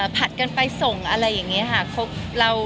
ผัดกันไปส่งอะไรอย่างนี้ค่ะ